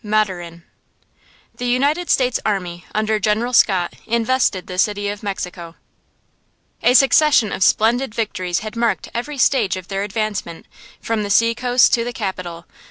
–MATURIN. THE United States army, under General Scott, invested the city of Mexico. A succession of splendid victories had marked every stage of their advance, from the seacoast to the capital.